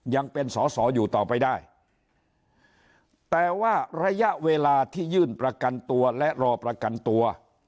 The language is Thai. ยังเป็นสอสออยู่ต่อไปได้แต่ว่าระยะเวลาที่ยื่นประกันตัวและรอประกันตัว